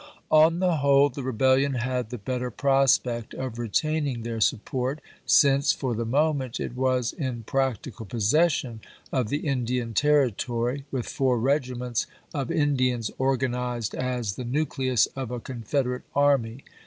On the whole, the rebellion had the better prospect of retaining their support, since for the moment it was in practical possession of the Indian Territory, with four regiments of Indians organized as the nucleus of a Confederate army.